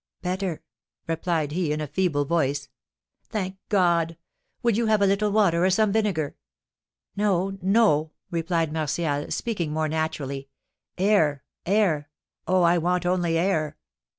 "Better!" replied he, in a feeble voice. "Thank God! Will you have a little water or some vinegar?" "No, no," replied Martial, speaking more naturally; "air, air! Oh, I want only air!"